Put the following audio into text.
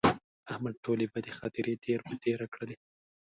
احمد ټولې بدې خاطرې تېر په تېره کړلې.